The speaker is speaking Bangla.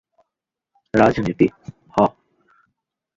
রাজনীতি, হাহ?